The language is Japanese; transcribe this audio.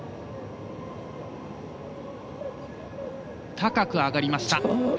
高く上がりました。